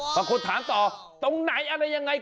บางคนถามต่อตรงไหนอะไรยังไง